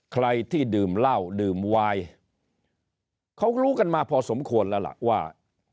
ใครที่ดื่มเหล้าดื่มวายเขารู้กันมาพอสมควรแล้วล่ะว่า